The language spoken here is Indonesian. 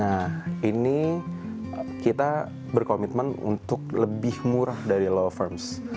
nah ini kita berkomitmen untuk lebih murah dari law firms